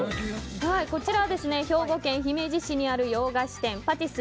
こちらは兵庫県姫路市にある洋菓子店パティス